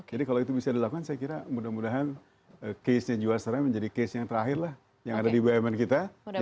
kalau itu bisa dilakukan saya kira mudah mudahan case nya juara menjadi case yang terakhir lah yang ada di bumn kita